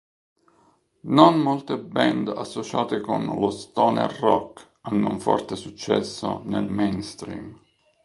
Non molte band associate con lo stoner rock hanno un forte successo nel mainstream.